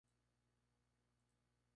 Dirigida por Eugenio Guzmán.